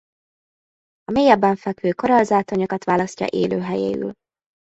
A mélyebben fekvő korallzátonyokat választja élőhelyéül.